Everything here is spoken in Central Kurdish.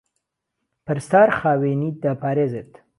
پهرستار خاوێنیی دهپارێزێت